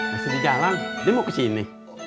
masih di jalan dia mau kesini